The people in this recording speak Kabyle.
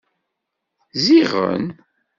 Ziɣen.